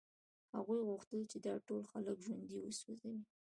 هغوی غوښتل چې دا ټول خلک ژوندي وسوځوي